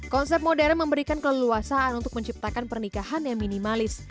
konsep modern memberikan keleluasaan untuk menciptakan pernikahan yang minimalis